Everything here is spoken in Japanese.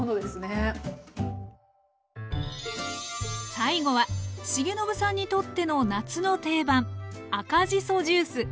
最後は重信さんにとっての夏の定番赤じそジュース。